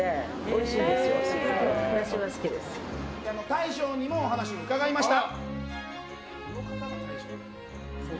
大将にもお話伺いました。